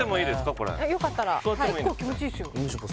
これ・よかったらはい結構気持ちいいっすよ